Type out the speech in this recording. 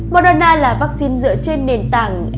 moderna là vaccine dựa trên nền tảng mrna